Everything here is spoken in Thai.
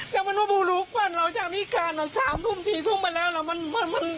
แล้วมันมาบูรุกว่าเราจะมีการ๓๔ทุ่มไปแล้ว